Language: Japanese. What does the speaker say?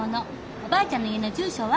おばあちゃんの家の住所は？